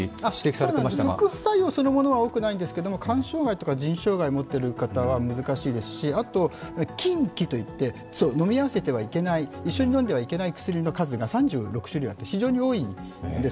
そうなんです、副作用そのものは多くないんですけど肝障害とか腎障害を持っている方は難しいですしあと禁忌といって、一緒に飲んではいけない薬の数が３６種類あって、非常に多いんです。